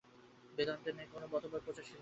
বেদান্তের ন্যায় কোন মতবাদ এত প্রচারশীল হয় নাই।